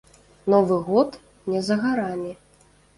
Новы год не за гарамі.